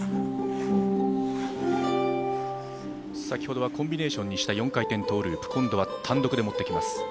先ほどはコンビネーションにした４回転トウループ今度は単独で持ってきます。